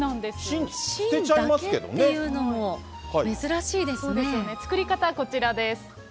芯だけっていうのも珍しいで作り方、こちらです。